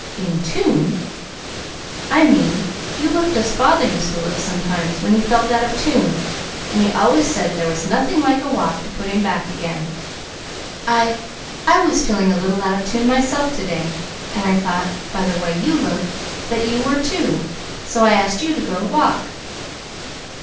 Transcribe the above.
"In tune!" "I mean, you looked as father used to look sometimes, when he felt out of tune. And he always said there was nothing like a walk to put him back again. I I was feeling a little out of tune myself to day, and I thought, by the way you looked, that you were, too. So I asked you to go to walk."